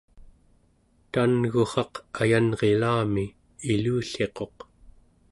tan'gurraq ayanrilami ilulliquq